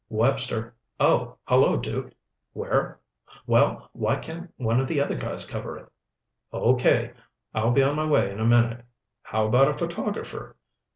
"Webster. Oh, hello, Duke. Where? Well, why can't one of the other guys cover it? Okay, I'll be on my way in a minute. How about a photographer?